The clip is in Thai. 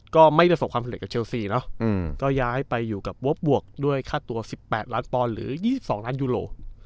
ก็ไม่ได้ส่งความผลิตกับเชลสีเนอะก็ย้ายไปอยู่กับด้วยค่าตัว๑๘ล้านตอนหรือ๒๒ล้านยูโร